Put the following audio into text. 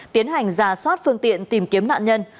tiến hành giả soát phương tiện tìm kiếm nạn nhân